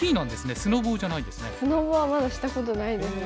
スノボはまだしたことないですね。